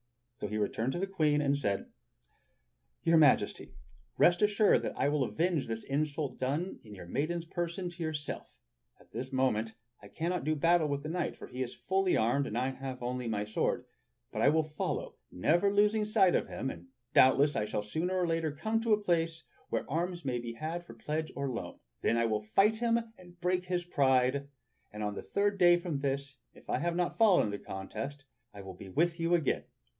So he returned to the Queen and said : "Your Majesty, rest assured that I will avenge this insult done in your maiden's person to yourself. At this moment I cannot do "THE RUINS OF WHAT HAD ONCE BEEN A STATELY CASTLE" Old Ruined Castle, Hobbema, Louvre, Paris [Courtesy Braun et Cie.] battle with the knight, for he is fully armed and I have only my sword. But I will follow, never losing sight of him, and doubtless I shall sooner or later come to a place where arms may be had for pledge or loan. Then I will fight him and break his pride, and on the third day from this, if I have not fallen in the contest, I will be with you again.